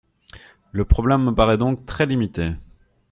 Le problème me paraît donc très limité.